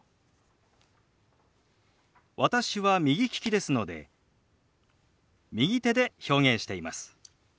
私は右利きですので右手で表現しています。